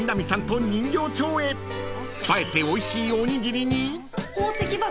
［映えておいしいおにぎりに］